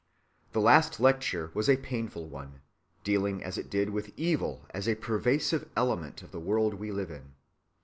The last lecture was a painful one, dealing as it did with evil as a pervasive element of the world we live in.